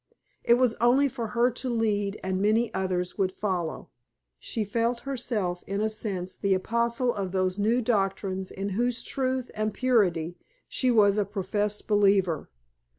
It was only for her to lead and many others would follow. She felt herself in a sense the apostle of those new doctrines in whose truth and purity she was a professed believer.